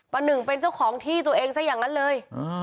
หนึ่งเป็นเจ้าของที่ตัวเองซะอย่างนั้นเลย